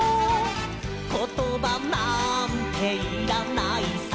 「ことばなんていらないさ」